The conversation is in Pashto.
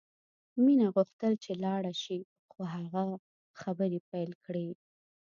مینه غوښتل چې لاړه شي خو هغه خبرې پیل کړې